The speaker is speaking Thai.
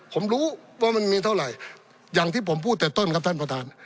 ผมรู้ว่ามันมีเท่าไหร่อย่างที่ผมพูดแต่ต้นครับท่านประธาน